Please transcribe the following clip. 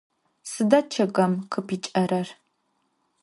Sıda ççıgım khıpıç'erer?